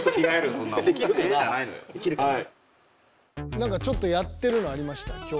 なんかちょっとやってるのありました競争。